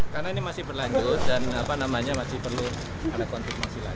karena ini masih berlanjut dan apa namanya masih perlu ada kontekmasi lagi